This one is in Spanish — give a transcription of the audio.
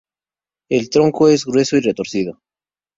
El tronco es grueso y retorcido.